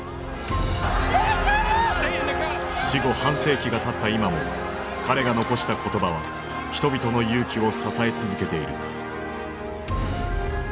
死後半世紀がたった今も彼が残した言葉は人々の勇気を支え続けている。